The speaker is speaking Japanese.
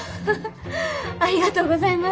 ありがとうございます。